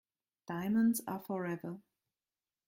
Diamonds are forever.